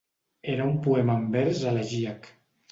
Era un poema en vers elegíac.